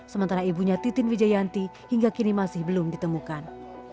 sementara ibunya titin wijayanti hingga kini masih belum ditemukan